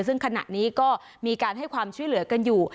ซึ่งขณะนี้ก็มีการให้ความช่วยเหลือกันอยู่